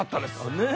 ねえ